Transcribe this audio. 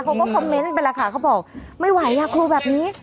เขาก็คอมเมนต์ไปแล้วค่ะเขาบอกไม่ไหวอ่ะครูแบบนี้